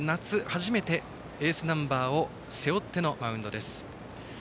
初めてエースナンバーを背負ってのマウンド。